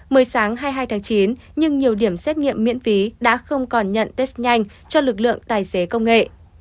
mười sáng hai mươi hai tháng chín nhưng nhiều điểm xét nghiệm miễn phí đã không còn nhận test nhanh cho lực lượng tài xế công nghệ